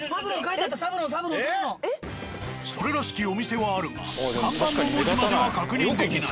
それらしきお店はあるが看板の文字までは確認できない。